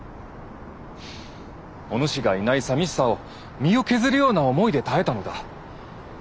おぬしがいない寂しさを身を削るような思いで耐えたのだ。